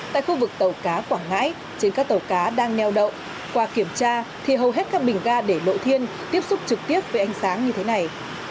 tại khu vực tàu cá quảng ngãi trên các tàu cá đang neo đậu qua kiểm tra thì hầu hết các bình ga để lộ thiên tiếp xúc trực tiếp với ánh sáng như thế này